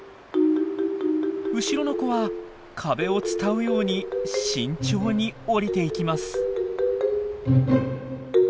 後ろの子は壁を伝うように慎重に下りていきます。